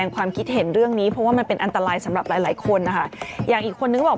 อย่างอีกคนนึงเขาก็บอก